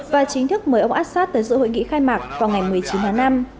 và chính thức mời ông assad tới dự hội nghị khai mạc vào ngày một mươi chín tháng năm